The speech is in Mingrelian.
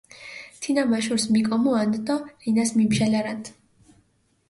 თინა მა შურს მიკომუანდჷ დო რინას მიბჟალარანდჷ.